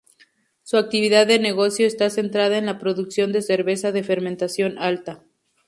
Su actividad de negocio está centrada en la producción de cerveza de fermentación alta.